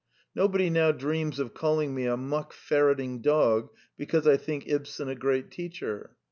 Nobody now dreams of calling me a muck 'f erretting dog '' because I think Ibsen a great teacher.